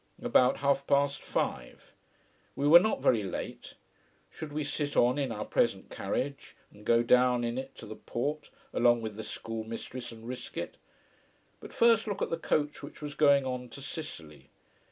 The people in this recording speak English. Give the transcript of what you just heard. About half past five. We were not very late. Should we sit on in our present carriage, and go down in it to the port, along with the schoolmistress, and risk it? But first look at the coach which was going on to Sicily.